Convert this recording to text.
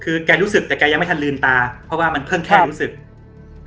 คือแกรู้สึกแต่แกยังไม่ทันลืมตาเพราะว่ามันเพิ่งแค่รู้สึก